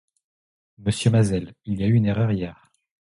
Monsieur Mazel, il y a eu une erreur, hier.